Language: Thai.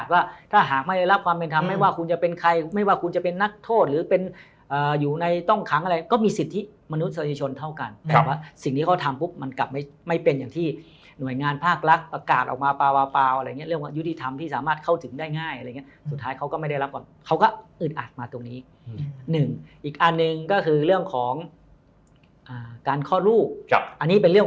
ว่าคุณจะเป็นใครไม่ว่าคุณจะเป็นนักโทษหรือเป็นอยู่ในต้องครั้งอะไรก็มีสิทธิ์ที่มนุษยชนเท่ากันแต่ว่าสิ่งที่เขาทำปุ๊บมันกลับไม่ไม่เป็นอย่างที่หน่วยงานภาครักษ์ประกาศออกมาปาวปาวอะไรเนี่ยเรื่องว่ายุติธรรมที่สามารถเข้าถึงได้ง่ายอะไรเนี่ยสุดท้ายเขาก็ไม่ได้รับก่อนเขาก็อึดอัดมาตรงนี้หนึ่